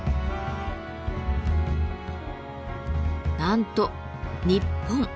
なんと日本。